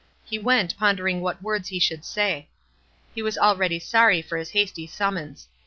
He went ponder ing what words he should say. He was already sorry for his hasty summons.